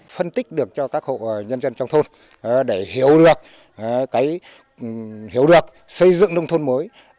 phân tích được cho các hộ nhân dân trong thôn để hiểu được xây dựng nông thôn mới